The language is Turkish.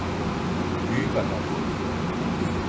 Büyük adam.